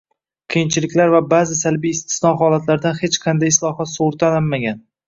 Qiyinchiliklar va ba’zi salbiy istisno holatlardan hech qanday islohot sug‘urtalanmagan.